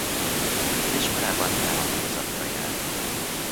Az iskolában dráma tagozatra járt.